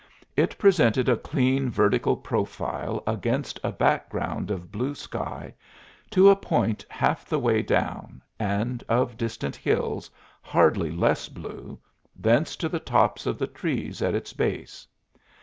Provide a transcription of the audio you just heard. It presented a clean, vertical profile against a background of blue sky to a point half the way down, and of distant hills, hardly less blue, thence to the tops of the trees at its base.